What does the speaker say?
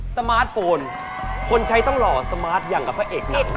สมาร์ทโฟนคนใช้ต้องหล่อสมาร์ทอย่างกับพระเอกเนี่ย